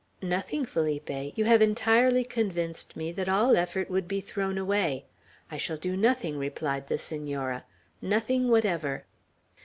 "Nothing, Felipe! You have entirely convinced me that all effort would be thrown away. I shall do nothing," replied the Senora. "Nothing whatever."